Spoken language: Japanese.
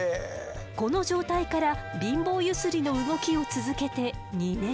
この状態から貧乏ゆすりの動きを続けて２年後。